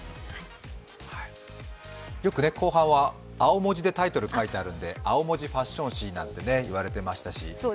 よく後半は青文字でタイトル書いてあるので、青文字ファッション誌なんて言われていましたし。